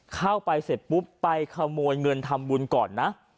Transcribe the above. เข้าไปเสร็จปุ๊บไปขโมยเงินทำบุญก่อนนะ